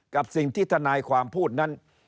กับสิ่งที่ทนายความพูดนั้น